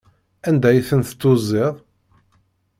Anda ay tent-tuziḍ?